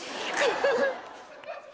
フフフ。